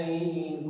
apa yang kita lakukan